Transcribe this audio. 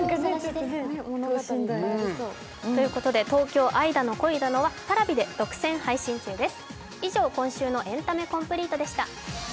「東京、愛だの、恋だの」はＰａｒａｖｉで独占配信中です。